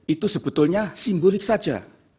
itu sebetulnya simbolik saja